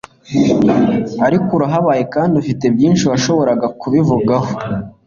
ariko urababaye kandi ufite byinshi washoboraga kubivugaho